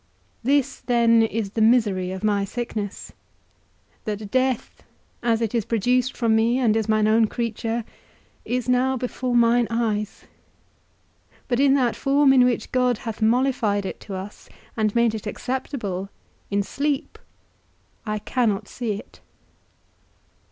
This then is the misery of my sickness, that death, as it is produced from me and is mine own creature, is now before mine eyes, but in that form in which God hath mollified it to us, and made it acceptable, in sleep I cannot see it.